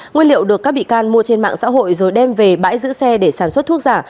nguyên liệu được các bị can mua trên mạng xã hội rồi đem về bãi giữ xe để sản xuất thuốc giả